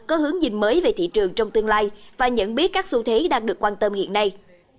có hướng nhìn mới về thị trường trong tương lai và nhận biết các xu thế đang được quan tâm hiện nay